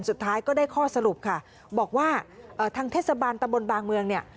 สุดท้ายก็ได้ข้อสรุปค่ะบอกว่าเอ่อทางเทศบาลตะบนบางเมืองเนี่ย